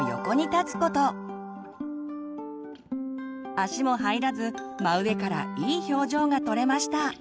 足も入らず真上からいい表情が撮れました。